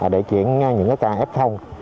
để chuyển những cái ca ép thông